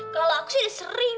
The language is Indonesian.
kalo aku sih udah sering